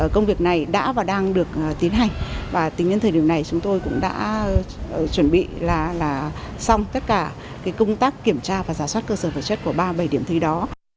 công việc này đã và đang được tiến hành và tính đến thời điểm này chúng tôi cũng đã chuẩn bị là xong tất cả công tác kiểm tra và giả soát cơ sở vật chất của ba mươi bảy điểm thi đó